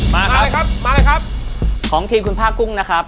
มามาเลยครับมาเลยครับของทีมคุณผ้ากุ้งนะครับ